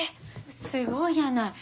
すごいやない。